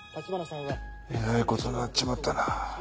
えらいことになっちまったな。